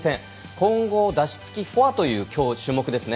混合舵手つきフォアという種目です。